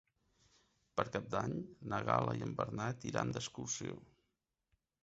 Per Cap d'Any na Gal·la i en Bernat iran d'excursió.